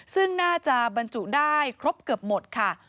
ซึ่งน่าจะบรรจุได้ครบเกือบหมดค่ะ